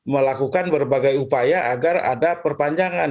melakukan berbagai upaya agar ada perpanjangan